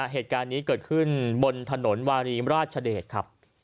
เหตุการณ์นี้เกิดขึ้นบนถนนวารีมราชเดชครับ